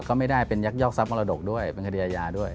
ก็ไม่ได้เป็นยักยอกทรัมรดกด้วยเป็นคดีอาญาด้วย